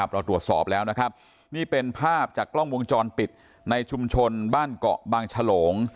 เราตรวจสอบแล้วนะครับนี่เป็นภาพจากกล้องวงจรปิดในชุมชนบ้านเกาะบางฉลง